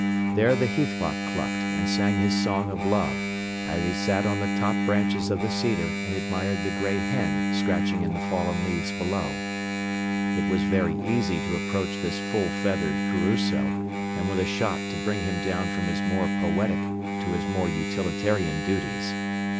There the heathcock clucked and sang his song of love, as he sat on the top branches of the cedar and admired the grey hen scratching in the fallen leaves below. It was very easy to approach this full feathered Caruso and with a shot to bring him down from his more poetic to his more utilitarian duties.